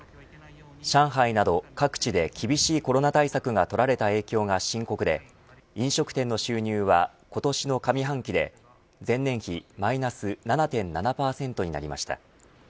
上海など、各地で厳しいコロナ対策が取られた影響が深刻で飲食店の収入は、今年の上半期で前年比マイナス７．７％になりました。